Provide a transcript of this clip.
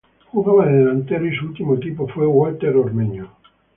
Jugaba de delantero y su último equipo fue Walter Ormeño.